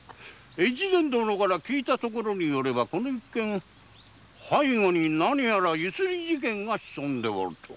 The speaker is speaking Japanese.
越前殿に聞いたところではこの一件背後に何やら強請事件が潜んでおるとか。